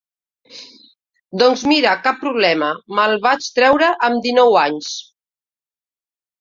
Doncs mira cap problema, me'l vaig treure amb dinou anys.